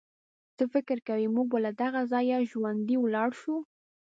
څه فکر کوئ، موږ به له دغه ځایه ژوندي ولاړ شو.